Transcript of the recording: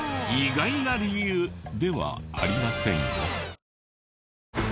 意外な理由ではありませんよ。